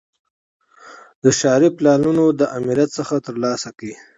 د ښاري پلانونو له آمریت څخه ترلاسه کړي.